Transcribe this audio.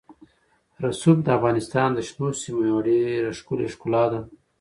رسوب د افغانستان د شنو سیمو یوه ډېره ښکلې ښکلا ده.